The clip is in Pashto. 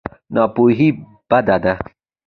ناپوهي بده ده.